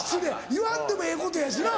言わんでもええことやしな。